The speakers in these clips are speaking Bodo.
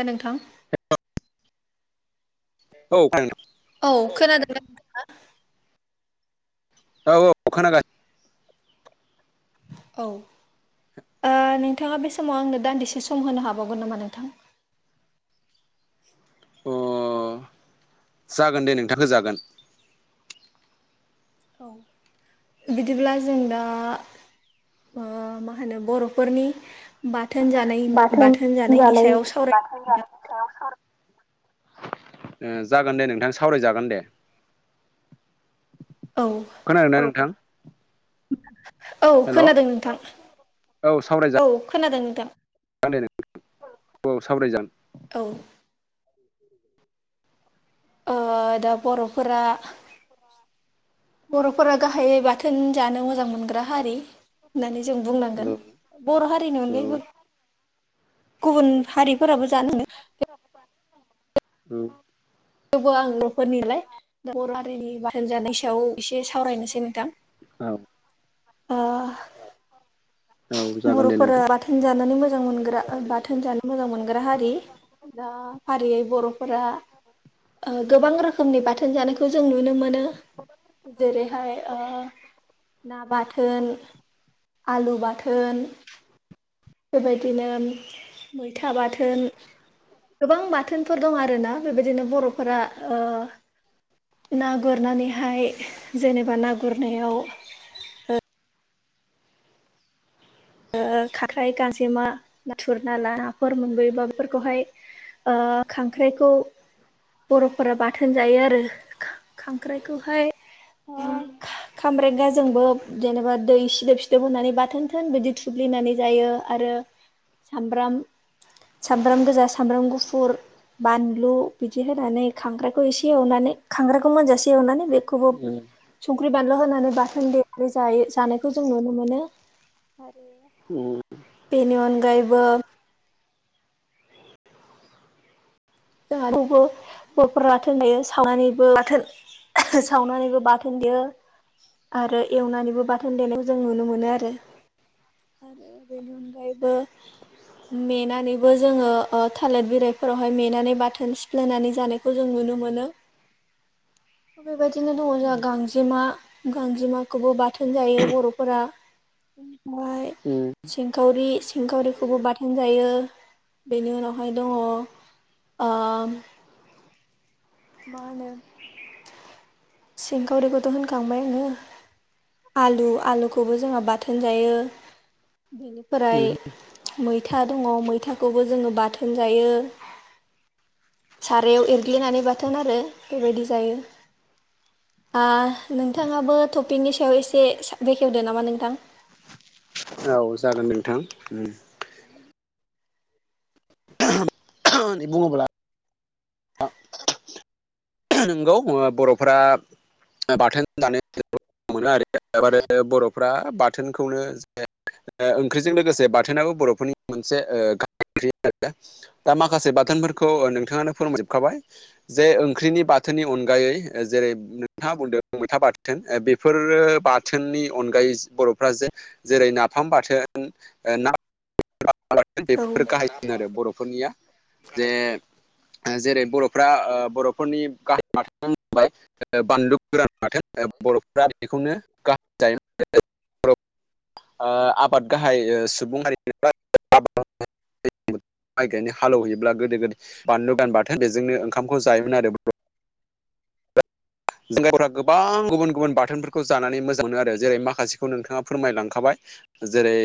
द नोंथां ए औ औ खोनादोंना औ औ अख गा औ नोंथाङा बे समाव आंनो दान्दिसे सम होनो हाबावगोन नामा नोंथां [inaudible] अ जागोन दे नोंथांखौ जागोन औ बिदिब्ला जों दा मा होनो बर'फोरनि बाथोन जानाय बाथोन जानायनि सायाव सावराय हजानायनि सायाव सर जागोन दे नोंथां सावरायजागोन दे औ खोन होना नोंथां औ खोनादों नोंथां औ खोनादों नोंथां बदाय औाव सावरायजान औ दा बर'फोरा बर'फोरा गाहायै बाथोन जानो मोजां मोनग्रा हारि होननानै जों औ बुंनांगोन बर' हारिनि औ अनगायैबो गुबुन हारिफोराबो जानो औ थेवबो आं न'फोरनिलाय दा बर' हारिनि बासोनजानाय सायाव एसे सावरायनोसै नोंथां औ अ औ औ जागोन दे बर'फोरा नोंथां बाथोन जानानै मोजां मोनग्रा बाथोन जानो मोजां मोनग्रा हारि दा फारियै बर'फोरा गोबां रोखोमनि बाथोन जानायखौ जों नुनो मोनो जेरैहाय ना बाथोन आलु बाथोन बाथोन बेबायदिनो मैथा बाथोन गोबां बाथोनफोर दं आरोना बेबायदिनो बर'फोरा ना गुरनानैहाय जेनेबा ना गुरनायाव खख्राइ गान्जेमा नाथुर नाला नाफोर मोनबोयोबा बेफोरखौहाय खांख्राइखौ बर'फोरा बाथोन जायो आरो खांख्राइखौहाय खामब्रें गाजोंबो जेनेबा दै सिदोब सिदोब होननानै बाथोन थोन बिदि थुुब्लिनानै जायो आरो सामब्राम सामब्राम गोजा सामब्राम गुफुर बानलु बिदि होनानै खांांग्राखौ एसे एवनानै खांग्राखौ मोनजासे एवनानै बे खौबो औ संख्रि बानलु होनानै बाथोन दे जायो जानायखौ जों नुनो मोनो आरो [inaudible] [inaudible] बेनि अनगायैबो जोंहा रावबो बर'फोरा लाथोन होन दायो सावनानैबो लाथों सावनानैबो बाथोन देयो आरो एवनानैबो बाथोन देनायखौ जों नुनो मोनो आरो आरो बेनि अनगायैबो नेेनानैबो जोङो थालिर बिलाइफोरावहाय मेनानै बाथोन सिफ्लायनानै जानायखौ जों नुनो मोन बेबायदिनो दङ जोंहा गां गजिमा गांजिमाखौबो बाथोन जायो बर'फोरा ओनिफ्राय उम सिंखावरि सिंखावरिखौबो बाथोन जायो बेनि उनावहाय दङ ओ मा होनो सिंखावरिखौथ' होनखांबाय आङो आलु आलुखौबो जोंहा बाथोन जायो बेनिफ्राय मैथा दङ मैथाखौबो जोङो बाथोन जायो सारायाव एरग्लिनानै बाथोन आरो बेबायदि जायो नोंथाङाबो टपिकनि सायाव एसे बेखेवदो नामा नोंथां औ जागोन नोंथां बुङोब्ला नंगौ बर'फोरा बाथोन दानो मोनो आरो आरो बर'फ्रा बाथोनखौनो ज ओंख्रिजों लोगोसे बाथोनाबो बर'फोरनि मोनसे गाह ओंख्रि आरो दा माखासे बाथोनफोरखौ नोंथाङानो फोरोंजोबखाबाय जे फुख्रिनि बाथोननि अनगायै जेरै नोंथाङा बुंदों मैथा बाथोन बेफोरो बाथोननि अनगायै बर'फ्रा जे जेरै नाफाम बाथोन ओ ना [unintelligible] औ बेफोर गाहायसिन आरो बर'फोरनिया। जे जेरै ओ बर'फ्रा बर'फोरनि गाहाय माथबाय बानलु गोरान माथों बर'फोरा बेखौनो गाहाम जायो। आबाद गाहाय सुबुंङारि [unintelligible] [unintelligible] माइ गायनो हालौवैयोब्ला गोदो गोद बानलु गान बाथोन बेजोंनो ओंखामखौ जायोमोन आरो। जों गावफोरा गोबां गुबुन गुबुन बाथोनफोरखौ जानानै मोजां मोनो आरो जेरै माखासेखौ नोंथाङा फोरमायलांखाबाय। जेरै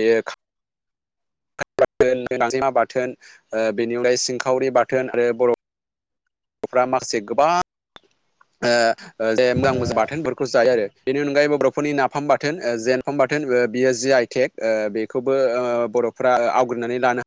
नमा बाथोन बेनि अनै सिंखावरि बाथोन आरो बर' ग'फ्रा माखासे गोबां ओ ओ जे मोजां बाथोनफोरखौ जायो आरो बेनि अनगायै बर'फोरनि नाफाम ओ बाथोन जेनफाम बाथोन बियो जि आइ टेक ओ बेखौबो ओ बर'फ्रा आवग्रिनानै लानो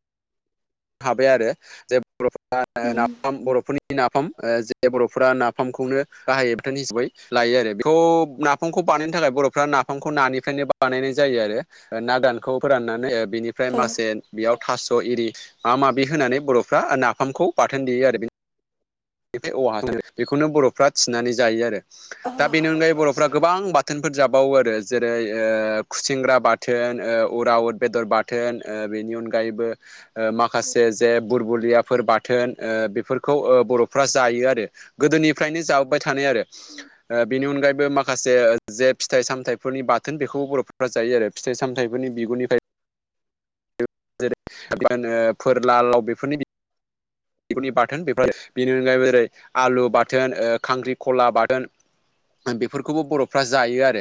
हाबाय आरो जे बर'फ [unintelligible] बर'फोरनि नाफाम जे बर'फोरा नाफामखौनो गाहाय हिसाबै लायो आरो बेखौ ना नाफांखौ बानायनो थाखाय बर'फ्रा नाफामखौ नानिफ्रायनो बानायनाय जायो आरो ना दानखौ फोराननानै बेनि ओमफ्राय औ मासे बेयाव थास' इरि माबा माबि होनानै बर'फ्रा नाफामखौ बाथोन देयो आरो बेो बेखौनो बर'फ्रा थिनानै जायो आरो दा बेनि अनगायै बर'फ्रा गोबां बाथौ बाथोनफोर जाबावो आरो जेरै ओ खुसिंग्रा बाथोन ओ अरा अर बेदर बाथोन नि ओ अनायैबो ओ माखासे जे बुर बुलिया फोर बाथोन ओ बेफोरखौ ओ बर' जायो आरो गोदोनिफ्रायनो जाबोबा थानाय बेनि अनायैबो माखसे ओ जे फिथाइ सामथायाइफोरनि बाथोन बेखौ बर'फोरा जायो आरो फिथाइ सामथायाइफोरनि बिगुरनिफ्राय जेरै फोरलालाव बेफोरनि बिगुरनि बाथोन बेफोर बेनि अनगायैबो जेरै आलु बाथोन ओ खांख्रिखला बाथोन बेफोरखौबो बर'फ्रा जायो आरो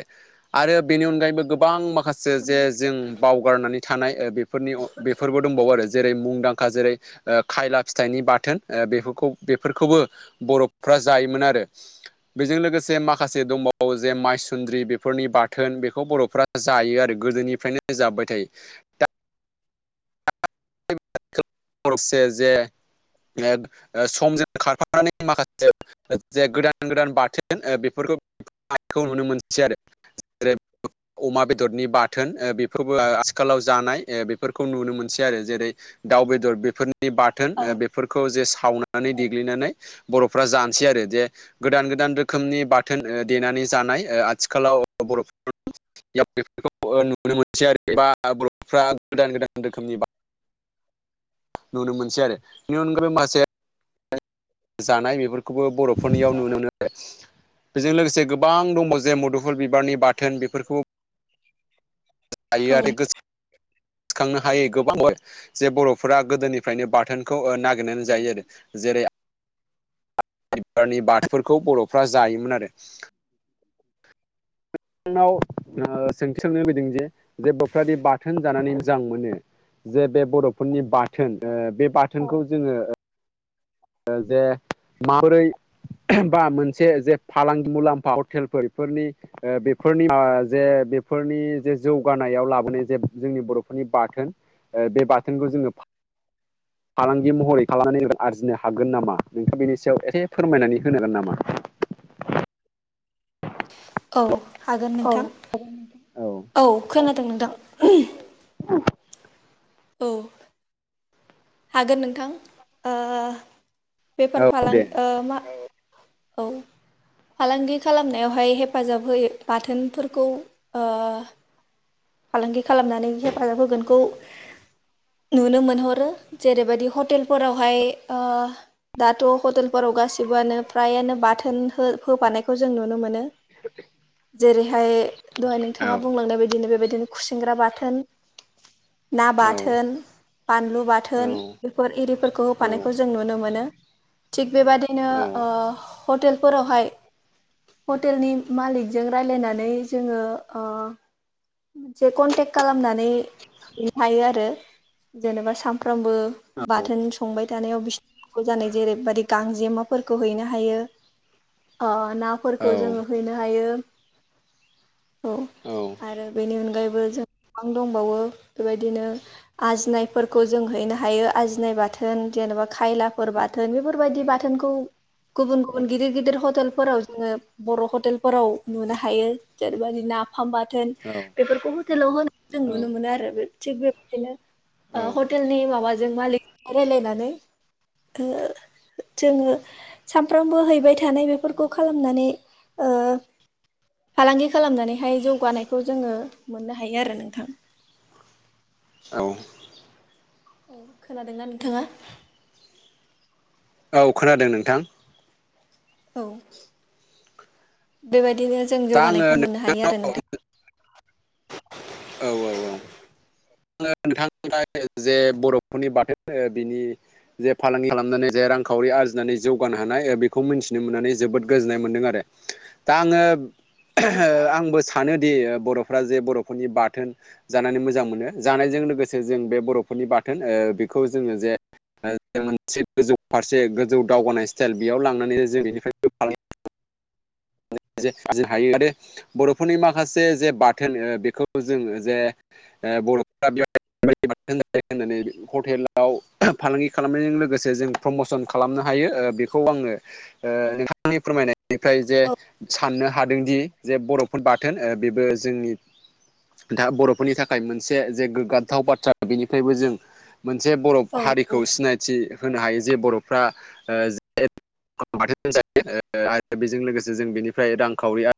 आरो बेनि अनगायैबो गोबां माखासे जे जों बावगारनानै थानाय बेफोरनि बेफोरबो दंबावो आरो जेरै मुंदांखा जेरै खायला फिथाइनि बाथोन ओ बेफोरखौ बेफोरखौबो बर'फ्रा जायोमोन आरो। बेजों लोगोसे माखासे दंबावो जे माइसुन्द्रि बेफोरनि बाथोन बेखौ बर'फ्रा जायो आरो गोदोनिफ्रायनो जाबाय थायो। दा से जे समजों खारफानानै माखासे जे गोदान गोदान बाथोन बेफोरखौखौ नुनो मोनसै आरो। जेरै अमा बेदरनि बाथोन बेफोरबो आथिखालाव जानाय ओ बे फोरखौ नुनो मोनसै आरो जेरै दाउ बेदर बेफोरनि बाथोन बे बेफोरखौ जे सावनानै देग्लिनानै बर'फ्रा जानोसै आरो जे गोदान गोदान रोखोमनि बाथोन ओ देनानै जानाय ओ आथिखालाव बर'फोर बेफोरखौ नुनो मोनसै आरो बा बर'फ्रा गोदान गोदान रोखोमनि बा नुनो मोनसै आरो बेनि अनगायै माखासे [unintelligible] जानाय बेफोरखौबो बर'फोरनियाव नुनो मोनो आरो। बेजों लोगोसे गोबां दङ जे मुदुफुल बिबारनि बाथोन बेफोरखौ हायो आरो गोसो सिखांनो हाय गोबां जे बर'फोरा गोदोनिफ्रायनो बाथोनखौ ना नानै जायो आरो जेरै बिबारनि बाथफोरखौ बर'फ्रा जायोमोन आरो आनाव सोंस्रांनो फैदों जे जे बफोराद बाथोन जानानै मोजां मोनो जे बे बर'फोरनि बाथोन औ ओ बे बाथोनखौ जोङो जे माबोरै बा मोनसे जे फालांगि मुलाम्फा हटेलफोर बेफोरनि बेफोरनि जे बेफोरनि जे जौगानायाव लाबोनाय जे जोंनि बर'फोरनि बाथोन बे बाथोनखौ जोङो फालांगि महरै खालामनानै आरजिनो हायो। हागोन नामा नोंथाङ बेनि सायाव एसेे फोरमायनानै होनांगोन नामा। औ हागोन औ नोंथां औ खोनादों नोंथां। औ हागोन नोंथां ओ बेफार औ फालां दे ओ मा औ फालांगि खालामनायावहाय हेफाजाब होयो बाथोनफोरखौ फालांगि खालामनानै हेफाजाब होगोनखौ नुनो मोनहरो जेरैबायदि हटेलफोरावहाय दाथ' हटेलफोराव गासिबोआनो फ्रायानो बाथोन हो होफानायखौ जों नुनो मोनो। [inaudible] जेरैहाय दहाय नोंथाङा औ बुंलांनाय बायदिनो बेबायदिनो खुसेंग्रा बाथोन ना औ बाथोन बानलु बाथोन औ बेफोर एरिफोरखौ औ होफानायखौ जों नुनो मोनो थिग बेबादि बिदिनो औ औ ओ हटेलफोरावहाय हटेलनि मालिकजों राय्लायनानै जोङो ओ मोनसे कन्टेक्ट खालामनानै लानो हायो आरो जेनेबा‌ साम सानफ्रामबो बाथोन संबाय थानायाव बिस जानाय जेरैबायाददि गांजेमाफोरखौ हैनो हायो ना फोरखौ जोङो हैनो हायो औ आरो बेनि अनगायैबो जों गोबां दंबावो बेबायदिनो आजिनायफोरखौ जों हैनो हायो आजिनाय बाथोन जेन'बा खायलाफोर बाथोन बाथोन बेफोरबायदि बाथोनखौ गुबुन गुबुन गिदिर गिदिर हटेलफोराव जोङो बर' हटेलफोराव नुनो हायो जेरैबायदि नाफाम बाथोन बेफोरखौ हटेलाव होनाय जों नुनो मोनो आरो थिग बेबायदिनो औ हटेलनि माबाजों मालिकजों रायज्लायनानै - - जोङो सानफ्रामबो हैबाय थानाय बेफोरखौ खालामनानैओ फालांगि खालामनानैहाय जौगानायखौ जोङो मोननो हायो आरो नोंथां। औ औ खोनादोंना नोंथाङा? औ खोनादों नोंथां औ बेबायदिनो जों दा जौगानायखौ आङो मोननो हायो आरो नोंथां। [inaudible] औ औ औ। आङो नोंथांमोना जे बर'फोरनि बाथोन बिनि जे फालांगि खालामनानै जे रांखावरि आरजिनानै जौगानो हानाय बेखौ मिथिनो मोननानै जोबोद गोजोननाय मोनदों आरो दा आङो औ आंबो सानोदि बर'फ्रा जे बर'फोरनि बाथोन जानानै मोजां मोनो जानायजों लोगोसे जों बे बर'फोरनि बाथोन बेखौ जोङो जे मोनसे गोजौ फारसे गोजौ दावगानाय स्टाइल बेयाव लांनानै जों बेनिफ्राय फाल हायो आरो बर'फोरनि माखासे जे ओ- बाथोन बेखौ जों जे बर'फ बे होननानै हटेलाव [unintelligible] फालांगि खालामनायजों लोगोसे जों प्रमसन खालामनो हायो ओ- बेखौ आङो ओ- नोंथांनि फोरमायनायनिफ्राय जे औ साननो हादोंदि जे बर'फोर बाथोन बेबो जोंनि बर'फोरनि थाखाय मोनसे जे गोग्गाथाव बाथ्रा बेनिफ्रायबो जों मोनसे बर' औ हारिखौ सिनायथि होनो हायो जे बर'फ्रा ओ- [unintelligible] आरो बेजों लोगोसे जों बेनि फ्राय रांखावरि [unintelligible]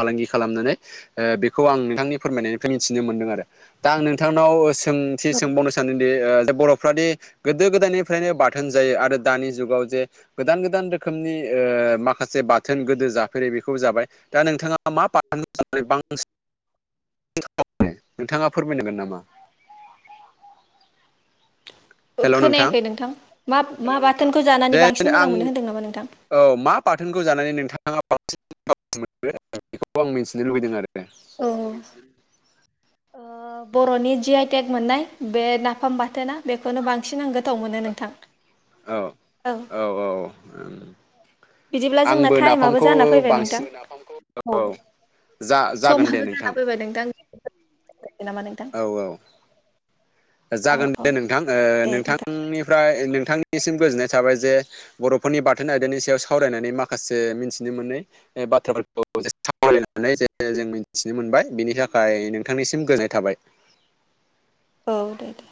फालांगि खालामनानै ओ-बेखौ आं नोंथांनि फोरमायनायनिफ्राय मिथिनो मोनदों आरो दा आं नोंथांनाव सोंथि औ सोंबावनो। सनोदि ओ-बरफाद गोदो गोदायनिफ्रायनो बाथोन जायो आरो दानि जुगाव जे गोदान गोदान रोखोमनि ओ- माखासे बाथोन गोदो जा बेखौबो जाबाय दा नोंथाङा मा बाहोनानै बांसिन [unintelligible] [unintelligible] नोंथाङा फोरमायनांगोन नामा। खोनायाखै नोंथां मा मा बाथोनखौ जानानै देन बांसिन आं मोजां मोनो होनदों नामा नोंथां। औ मा बाथोनखौ जानानै नोंथाङान [unintelligible] बेखौबो आं मिथिनो लुबैदों आरो। औ ओ बरनि जि आइ टेक मोननाय बे नाफाम बाथोना बेखौनो बांसिन आं गोथाव मोनो नोंथां। [inaudible] औ औ बिदिब्ला जोंना आंबो टाइमआबो नाफामखौ जाना फैबाय बांसिन नोंथां औ। जा जागोन दे समाबो नोंथां जाना फैबाय नोंथां नामा नोंथां [unintelligible] औ औ औ जागोन औ दे नोंथां ओ- दे नोंथां नोंथांनिफ्राय नोंथांनिसिम गोजोननाय थाबाय जे बरफोरनि बाथोन आयदानि सायाव सावरायनानै माखासे मिन्थिनो मोनै। बाथ्राफोरखौ [unintelligible] जों मिथिनो मोनबाय बिनि थाखाय नोंथांनिसिम गोजोननाय थाबाय। औ दे दे